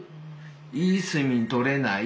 いい睡眠とれない。